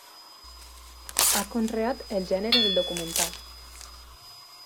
Ha conreat el gènere del documental.